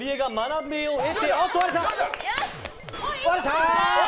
割れた！